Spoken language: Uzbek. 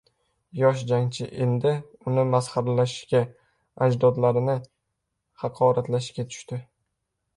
Yosh jangchi endi uni masxaralashga, ajdodlarini haqoratlashga tushdi.